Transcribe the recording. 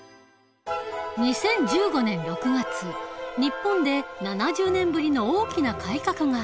２０１５年６月日本で７０年ぶりの大きな改革があった。